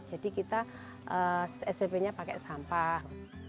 jadi kita spp nya pakai sampah